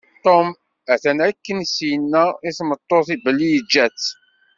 Tom atan akken i s-yenna i tmeṭṭut-is belli yeǧǧa-tt.